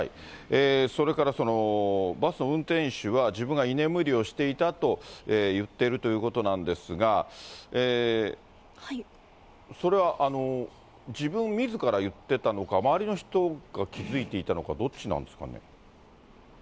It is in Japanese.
それからバスの運転手は、自分が居眠りをしていたと言っているということなんですが、それは自分、みずから言ってたのか、周りの人が気付いていたのか、どっちなんですかね。